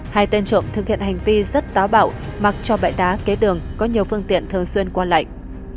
hai tên trộm thực hiện hành vi rất táo bạo mặc cho bãi đá kế đường có nhiều phương tiện thường xuyên qua lạnh